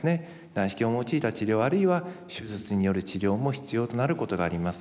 内視鏡を用いた治療あるいは手術による治療も必要となることがあります。